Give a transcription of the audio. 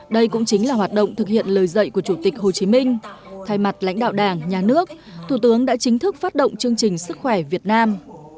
đây cũng chính là hoạt động thực hiện lời dạy của chủ tịch hồ chí minh thay mặt lãnh đạo đảng nhà nước thủ tướng đã chính thức phát động chương trình sức khỏe việt nam